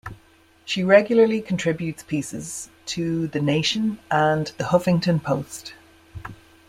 She regularly contributes pieces to "The Nation" and "The Huffington Post".